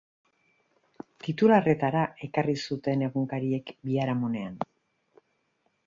Titularretara ekarri zuten egunkariek biharamonean.